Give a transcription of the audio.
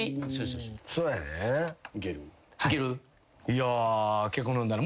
いや結構飲んだな。